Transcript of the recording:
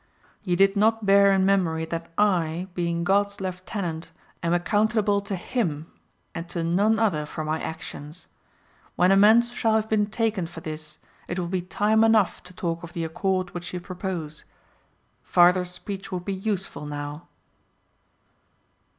Ye did not bear in memory that I, being God's Lieutenant, am account able to him and to none other for my actions. When amends shall have been taken for this, it will be time enough to talk of the accord which you propose ; far ther speech would be useless now.